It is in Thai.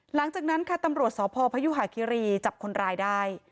หลังจากนั้นค่ะตำรวจสพพยุหาคิรีจับคนร้ายได้